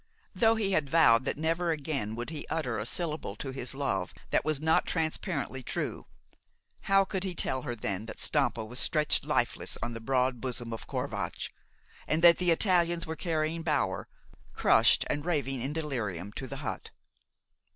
Though he had vowed that never again would he utter a syllable to his love that was not transparently true, how could he tell her then that Stampa was stretched lifeless on the broad bosom of Corvatsch, and that the Italians were carrying Bower, crushed and raving in delirium, to the hut.